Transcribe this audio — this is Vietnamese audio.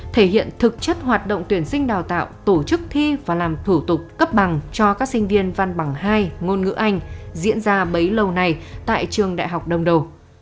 thể hiện thực chất hoạt động tuyển sinh đào tạo tổ chức thi và làm thủ tục cấp bằng cho các sinh viên văn bằng hai ngôn ngữ anh diễn ra bấy lâu nay tại trường đại học đông đô